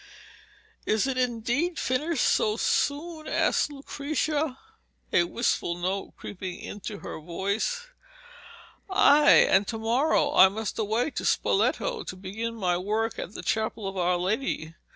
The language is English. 'Is it indeed finished so soon?' asked Lucrezia, a wistful note creeping into her voice. 'Ay, and to morrow I must away to Spoleto to begin my work at the Chapel of Our Lady.